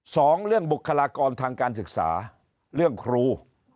สองเรื่องบุคลากรทางการศึกษาเรื่องครู